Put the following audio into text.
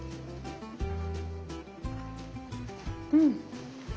うん。